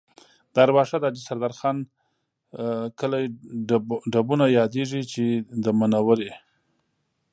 د ارواښاد حاجي سردار خان کلی ډبونه یادېږي چې د منورې